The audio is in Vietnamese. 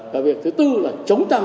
và việc thứ tư là chống tăng